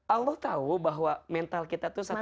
allah tahu bahwa mental kita tuh satu saat